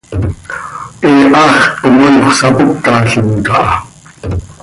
He haxt com anxö sapócalim caha.